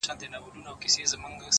د حقیقت مینه ذهن آزادوي.!